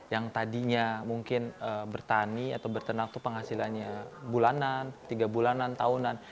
yang tadinya mungkin bertani atau bertenag itu penghasilannya bulanan tiga bulanan tahunan